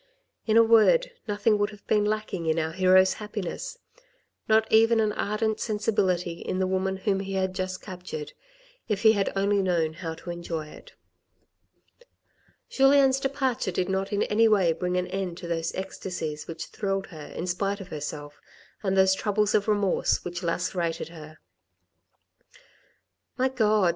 In a word, nothing would have been lacking in our hero's happiness, not even an ardent sensibility in the woman whom he had just captured, if he had only known how to enjoy it. Julien's departure did not in any way bring to an end those ecstacies which thrilled her in spite of herself, and those troubles of remorse which lacerated her. " My God